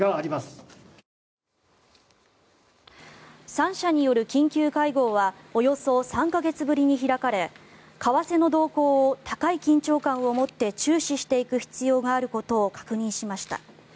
三者による緊急会合はおよそ３か月ぶりに開かれ為替の動向を高い緊張を持って注視していく必要があることを確認しました。